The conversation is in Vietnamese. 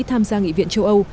tham gia nghị viện châu âu